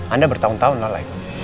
anda bertahun tahun lalai